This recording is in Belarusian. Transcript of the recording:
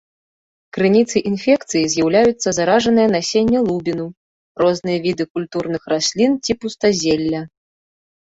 Крыніцай інфекцыі з'яўляюцца заражанае насенне лубіну, розныя віды культурных раслін ці пустазелля.